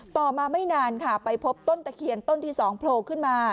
ต่อมาไม่นานค่ะไปพบต้นตะเคียนต้นที่๒โผล่ขึ้นมา